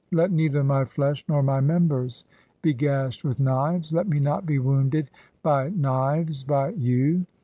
Let neither my flesh nor my members "be gashed with knives, let me not be wounded by knives by "you.